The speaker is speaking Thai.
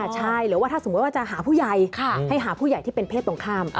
ใช่หรือว่าถ้าสมมุติว่าจะหาผู้ใหญ่ให้หาผู้ใหญ่ที่เป็นเพศตรงข้าม